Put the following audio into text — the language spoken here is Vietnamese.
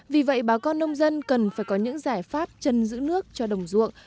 vì vậy bà con nông dân cần phải có những giải pháp chân giữ nước cho đồng ruộng